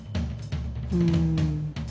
うん。